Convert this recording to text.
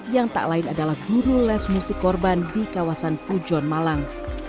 yang tak lain adalah guru les musik korban di kawasan pujon malang